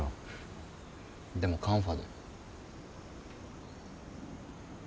でもカンファで。